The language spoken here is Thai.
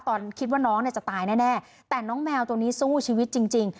คิดว่าน้องเนี่ยจะตายแน่แต่น้องแมวตัวนี้สู้ชีวิตจริง